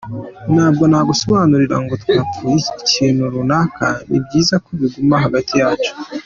Ntabwo nagusobanurira ngo twapfuye ikintu runaka, ni byiza ko biguma hagati yacu.